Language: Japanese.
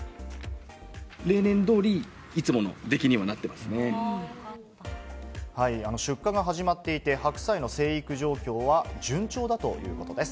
例年どおり、いつもの出来に出荷が始まっていて、白菜の生育状況は順調だということです。